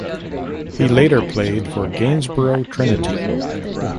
He later played for Gainsborough Trinity.